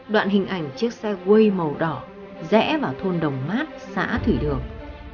đoạn hình ảnh chiếc xe quay màu đỏ rẽ vào thôn đồng mát xã thủy đường